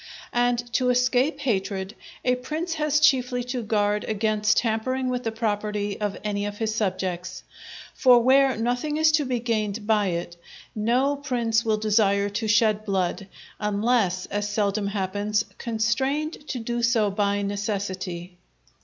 And to escape hatred, a prince has chiefly to guard against tampering with the property of any of his subjects; for where nothing is to be gained by it, no prince will desire to shed blood, unless, as seldom happens, constrained to do so by necessity.